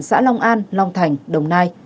xã long an long thành đồng nai